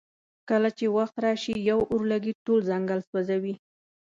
کله چې وخت راشي یو اورلګیت ټول ځنګل سوځوي.